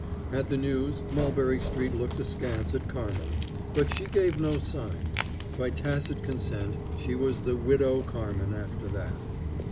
At the news Mulberry street looked askance at Carmen; but she gave no sign. By tacit consent, she was the Widow Carmen after that.